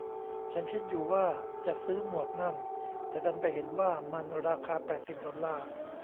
ฉันคิดอยู่ว่าจะซื้อหมวกนั่น แต่ดันไปเห็นว่ามันราคาแปดสิบดอลลาร์